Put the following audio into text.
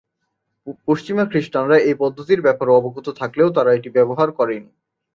পশ্চিমা খ্রিস্টানরা এই পদ্ধতির ব্যাপারে অবগত থাকলেও তারা এটি ব্যবহার করেনি।